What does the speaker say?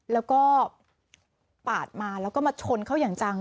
แล้วก็ปาดมาแล้วก็มาชนเขาอย่างจัง